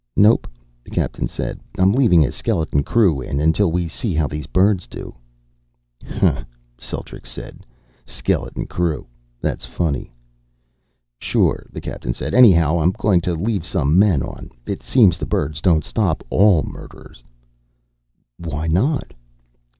"Nope," the captain said. "I'm leaving a skeleton crew in until we see how these birds do." "Hah," Celtrics said. "Skeleton crew. That's funny." "Sure," the captain said. "Anyhow, I'm going to leave some men on. It seems the birds don't stop all murders." "Why not?"